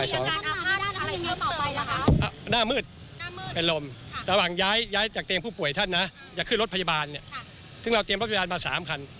ซึ่งเรามีรับพยาบาลมา๓คัน